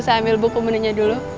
saya ambil buku menunya dulu